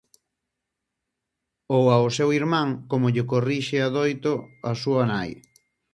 Ou a o seu irmán, como lle corrixe adoito a súa nai.